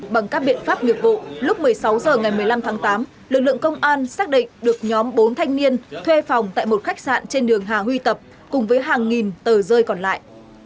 bằng các biện pháp nghiệp vụ lúc một mươi sáu h ngày một mươi năm tháng tám lực lượng công an xác định được nhóm bốn thanh niên thuê phòng tại một khách sạn trên đường hà huy tập cùng với hàng nghìn tờ rơi còn lại